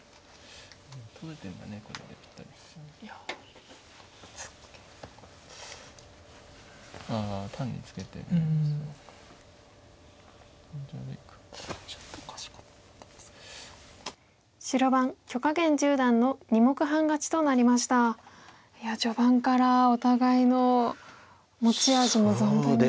いや序盤からお互いの持ち味も存分に出て。